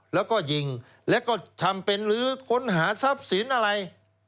แล้วก็ยิงแล้วก็ทำเป็นลื้อค้นหาทรัพย์สินอะไร